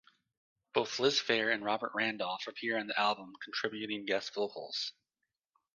Both Liz Phair and Robert Randolph appear on the album contributing guest vocals.